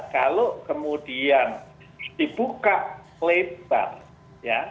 kemudian dibuka lebar ya